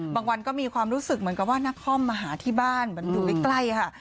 บางวันก็มีความรู้สึกเหมือนกับว่านักคอมมาหาที่บ้านเหมือนอยู่ใกล้ค่ะ